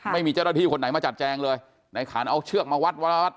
ไม่มีเจ้าหน้าที่คนไหนมาจัดแจงเลยในขานเอาเชือกมาวัดวรวัต